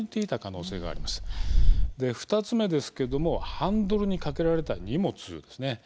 で２つ目ですけどもハンドルにかけられた荷物ですね。